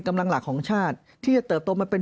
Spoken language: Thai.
เพราะอาชญากรเขาต้องปล่อยเงิน